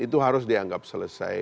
itu harus dianggap selesai